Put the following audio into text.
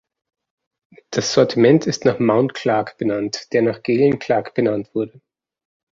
Das Sortiment ist nach Mount Clark benannt, der nach Galen Clark benannt wurde.